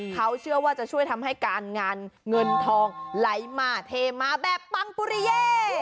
เขาเชื่อว่าจะช่วยทำให้การงานเงินทองไหลมาเทมาแบบปังปุริเย่